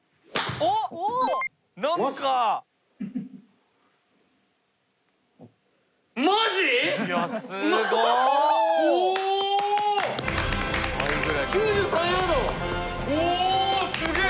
おおすげえ！